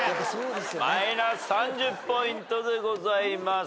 マイナス３０ポイントでございます。